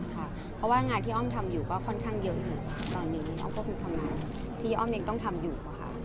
เพราะว่างานที่อ้อมทำอยู่ก็ค่อนข้างเยอะอยู่ตอนนี้อ้อมก็คงทำงานที่อ้อมยังต้องทำอยู่อะค่ะ